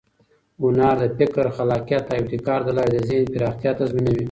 هنر د فکر، خلاقیت او ابتکار له لارې د ذهن پراختیا تضمینوي.